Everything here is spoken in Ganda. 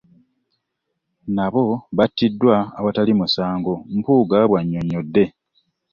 N'abo abattiddwa awatali musango.” Mpuuga bw'annyonnyodde.